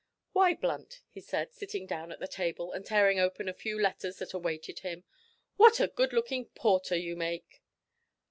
"Why, Blunt," he said, sitting down at the table and tearing open a few letters that awaited him, "what a good looking porter you make!"